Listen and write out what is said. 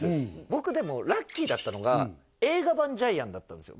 僕でもラッキーだったのが映画版ジャイアンだったんですよ